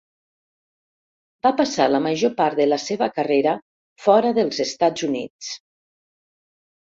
Va passar la major part de la seva carrera fora dels Estats Units.